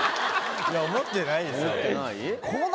いや思ってないですよ。